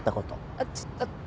あっちょっ。